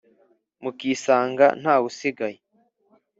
mukisanga ntaw' usigaye.